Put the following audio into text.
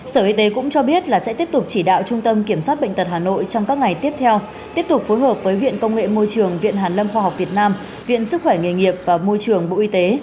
sở y tế cũng cho biết là sẽ tiếp tục chỉ đạo trung tâm kiểm soát bệnh tật hà nội trong các ngày tiếp theo tiếp tục phối hợp với viện công nghệ môi trường viện hàn lâm khoa học việt nam viện sức khỏe nghề nghiệp và môi trường bộ y tế